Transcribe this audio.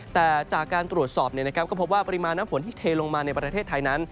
แต่จากการตรวจสอบก็พบว่าปริมาณน้ำฝนที่เทลงมาในประเทศไทยนั้น